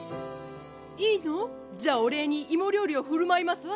いいの？じゃあお礼に芋料理を振る舞いますわ。